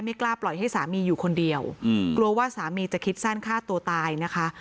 กล้าปล่อยให้สามีอยู่คนเดียวกลัวว่าสามีจะคิดสั้นฆ่าตัวตายนะคะ